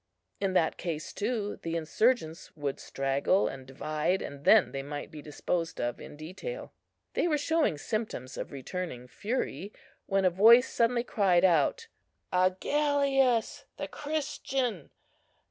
In that case, too, the insurgents would straggle, and divide, and then they might be disposed of in detail. They were showing symptoms of returning fury, when a voice suddenly cried out, "Agellius the Christian!